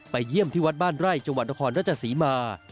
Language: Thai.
เยี่ยมที่วัดบ้านไร่จังหวัดนครราชศรีมา